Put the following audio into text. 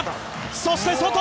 そして、外！